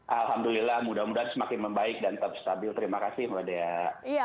alhamdulillah mudah mudahan semakin membaik dan tetap stabil terima kasih mbak dea